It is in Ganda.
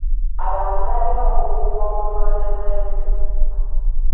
Abantu balina okukuuma obutonde bw'ensi.